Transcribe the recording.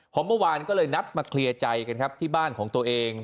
พอเมื่อวานก็เลยนัดมาเคลียร์ใจกันครับที่บ้านของตัวเอง